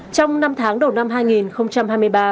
trong năm tháng đầu năm